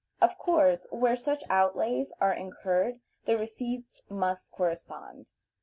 Of course, where such outlays are incurred the receipts must correspond.